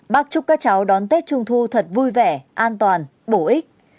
bác chúc các cháu đón tết trung thu thật vui vẻ an toàn bổ ích